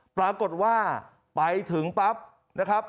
ปรากฏว่าไปถึงปั๊บ